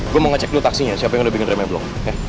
gue mau ngecek dulu taksinya siapa yang udah bikin dream emblong